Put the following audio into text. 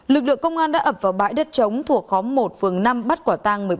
lực lượng công an đã ập vào bãi đất trống thuộc khóm một phường năm bắt quả tang